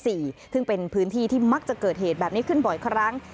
ซึ่งเป็นพื้นที่ที่มักจะเกิดเหตุแบบนี้ขึ้นบ่อยครั้ง